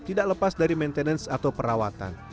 tidak lepas dari maintenance atau perawatan